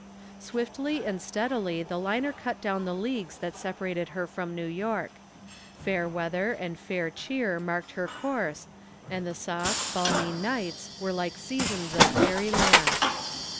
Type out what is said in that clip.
Swiftly and steadily the liner cut down the leagues that separated her from New York. Fair weather and fair cheer marked her course, and the soft, balmy nights were like seasons of fairyland.